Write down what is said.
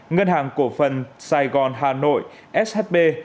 ngân hàng cổ phần sài gòn hà nội shb